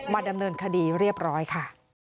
ดำเนินคดีเรียบร้อยค่ะ